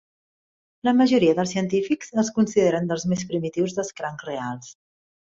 La majoria dels científics els consideren dels més primitius dels crancs reals.